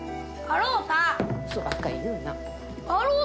ウソばっかり言うな。